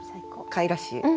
かいらしい。